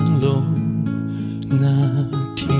มันถูกรอล้อมด้วยน้ำพัดไทยท่านห่อคุ้มเราอยู่